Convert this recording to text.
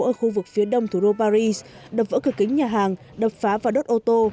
ở khu vực phía đông thủ đô paris đập vỡ cửa kính nhà hàng đập phá và đốt ô tô